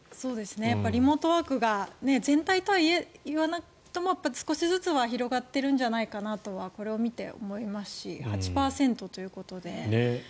リモートワークが全体とは言わなくとも少しずつは広がっているんじゃないかなとはこれを見て思いますし８％ということで。